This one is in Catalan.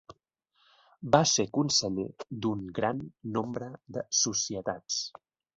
Va ser conseller d'un gran nombre de societats.